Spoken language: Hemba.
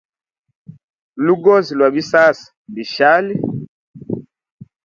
Lulugozi lwa bisasa mbishali.